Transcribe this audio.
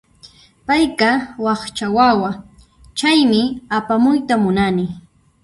Payqa wakcha wawa, chaymi apamuyta munani.